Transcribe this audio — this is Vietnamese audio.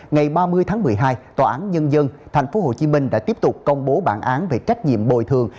ngày ba mươi tháng một mươi hai tòa án nhân dân tp hcm đã tiếp tục công bố bản án về trách nhiệm bồi thường